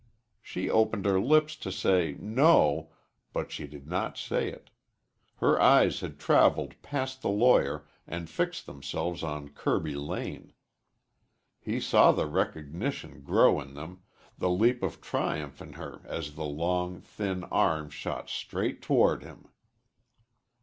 She opened her lips to say "No," but she did not say it. Her eyes had traveled past the lawyer and fixed themselves on Kirby Lane. He saw the recognition grow in them, the leap of triumph in her as the long, thin arm shot straight toward him.